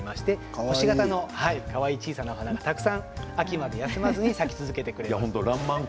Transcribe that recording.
星形の、かわいい小さなお花がたくさん秋まで休まずに「らんまん」